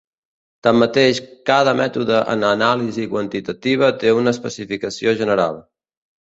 Tanmateix cada mètode en anàlisi quantitativa té una especificació general.